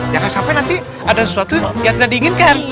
jangan sampai nanti ada sesuatu yang tidak diinginkan